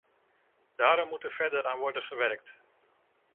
Daarom moet er verder aan worden gewerkt.